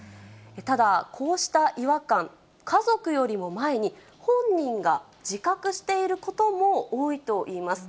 ただ、こうした違和感、家族よりも前に、本人が自覚していることも多いといいます。